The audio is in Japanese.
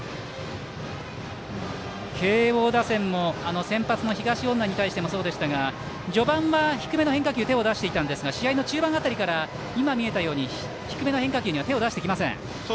慶応打線も先発の東恩納にとってもそうでしたが序盤は低めの変化球に手を出していたんですが試合の中盤辺りから低めの変化球には手を出してきません。